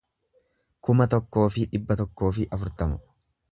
kuma tokkoo fi dhibba tokkoo fi afurtama